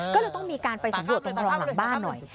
ก็เลยต้องไปสลจะวดครองหลังบ้านหน่อย